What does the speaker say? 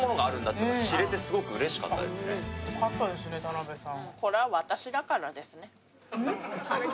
よかったですね田辺さん。